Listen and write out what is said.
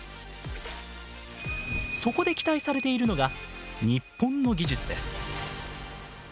そこで期待されているのが日本の技術です。